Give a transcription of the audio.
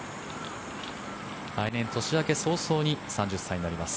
来年、年明け早々に３０歳になります。